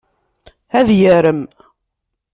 Ad yarem.